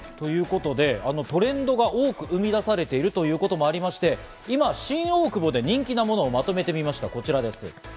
トレンドが多く生み出されているということもありまして、今、新大久保で人気なものをまとめてみました、こちらです。